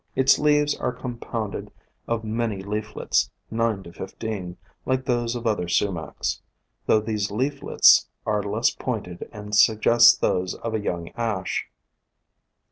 Its leaves are compounded of many leaflets, 9 15, like those of other Sumacs, though these leaflets are less pointed and suggest those of a young Ash.